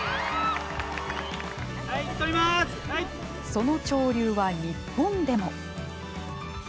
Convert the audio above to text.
その潮流は日本でも。